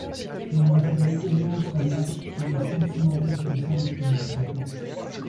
Je me rappellerai toujours ce match et le sentiment d'impuissance qui nous frappait.